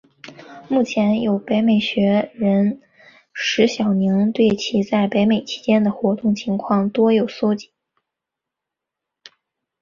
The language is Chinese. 目前有北美学人石晓宁对其在北美期间的活动情况多有搜辑。